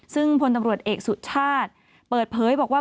ซึ่งพลตำรวจเอกสุชาติเปิดเผยบอกว่า